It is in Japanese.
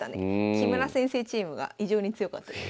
木村先生チームが異常に強かったです。